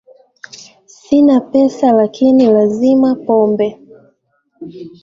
Sina pesa lakini lazima pombe